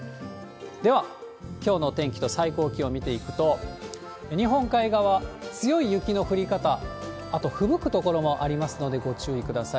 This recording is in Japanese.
では、きょうのお天気と最高気温見ていくと、日本海側、強い雪の降り方、あとふぶく所もありますのでご注意ください。